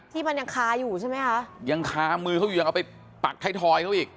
ที่มันยังคาอยู่ใช่ไหมคะยังคามือเขาอยู่ยังเอาไปปักไทยทอยเขาอีก